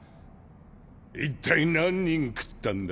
一体何人食ったんだ？